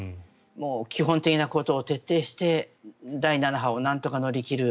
もう基本的なことを徹底して第７波をなんとか乗り切る